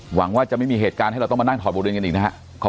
หวังว่าจะไม่มีเหตุการณ์ให้เราต้องมานั่งถอดบทเรียนกันอีกนะครับ